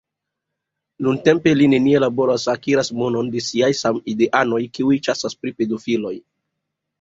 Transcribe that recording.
Nuntempe li nenie laboras, akiras monon de siaj samideanoj, kiuj ĉasas pri pedofiloj.